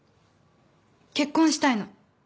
結婚したいの。